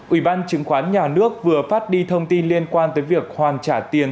ủy ban chứng khoán nhà nước vừa phát đi thông tin liên quan tới việc hoàn trả tiền